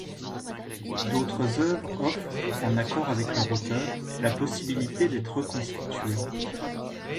D'autres œuvres offrent, en accord avec leur auteur, la possibilité d'être reconstituées.